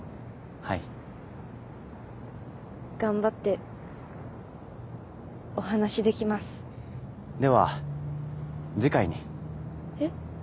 はい頑張ってお話できますでは次回にえっ？